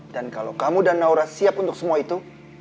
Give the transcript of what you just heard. dan kalau kamu dan naura siap untuk semua itu